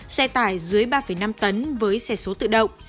xe tải dưới ba năm tấn với xe số tự động